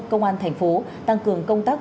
công an thành phố tăng cường công tác